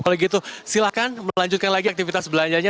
kalau gitu silahkan melanjutkan lagi aktivitas belanjanya